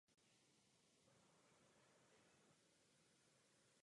Díky tematicky propracované dramaturgii festival přesahuje do oblasti barokního divadla a tance.